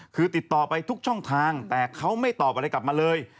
คือติดต่อไปทุกช่องทางแต่เขาไม่ตอบอะไรกลับมาเลย